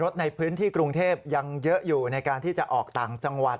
ในพื้นที่กรุงเทพยังเยอะอยู่ในการที่จะออกต่างจังหวัด